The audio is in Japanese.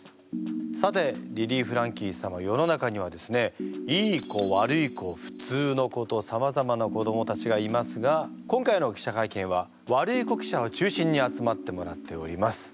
世の中にはですねいい子悪い子ふつうの子とさまざまな子どもたちがいますが今回の記者会見はワルイコ記者を中心に集まってもらっております。